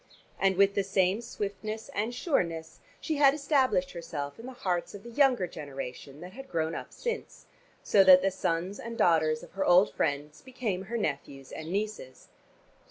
And with the same swiftness and sureness she had established herself in the hearts of the younger generation that had grown up since, so that the sons and daughters of her old friends became her nephews and nieces.